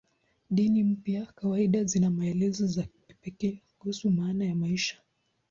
Dini mpya kawaida zina maelezo ya kipekee kuhusu maana ya maisha.